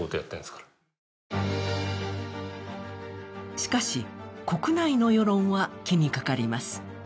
しかし、国内の世論は気にかかります。